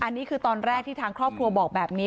อันนี้คือตอนแรกที่ทางครอบครัวบอกแบบนี้